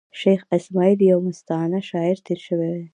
شېخ اسماعیل یو مستانه شاعر تېر سوﺉ دﺉ.